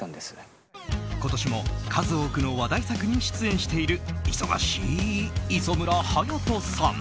今年も数多くの話題作に出演している忙しい磯村勇斗さん。